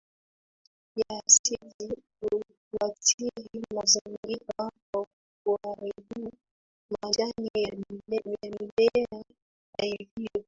ya asidi huathiri mazingira kwa kuharibu majani ya mimea na hivyo